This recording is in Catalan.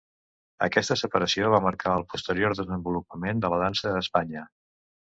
Aquesta separació va marcar el posterior desenvolupament de la dansa a Espanya.